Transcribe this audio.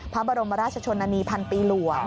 พระบรมราชชนนานีพันปีหลวง